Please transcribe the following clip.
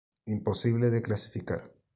Imposible de clasificar".